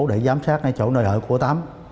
để giám sát chỗ nơi ở của tám